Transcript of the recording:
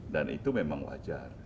dan itu memang wajar